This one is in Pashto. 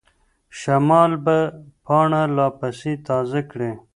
شمال به پاڼه لا پسې تازه کړي.